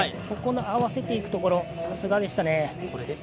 そこの合わせていくところさすがでしたね。